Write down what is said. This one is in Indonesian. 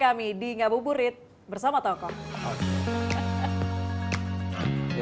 kami di ngabuburit bersama tokoh